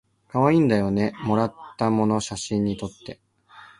かわいいんだよねもらったもの写真にとって